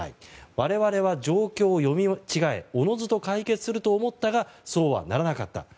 我々は状況を読み違えおのずと解決すると思ったがそうはならなかった。